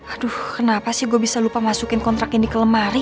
aduh kenapa sih gue bisa lupa masukin kontrak ini ke lemari